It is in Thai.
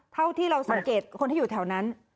เท่าที่เราสังเกตคนที่อยู่แถวนั้น